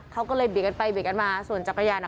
เขาก็เลยเบียดกันไปเบียดกันมาส่วนจักรยานอ่ะ